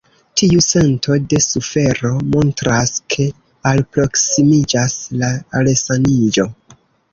Tiu sento de sufero montras, ke alproksimiĝas la resaniĝo.